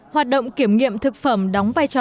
hoạt động kiểm nghiệm thực phẩm đóng vai trò